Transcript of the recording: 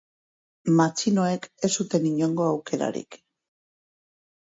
Matxinoek ez zuten inongo aukerarik.